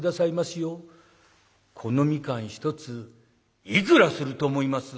この蜜柑一ついくらすると思います？」。